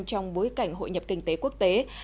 trong bối cảnh hội nhập kinh tế quốc tế